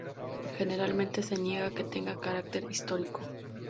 Generalmente se niega que tenga carácter histórico.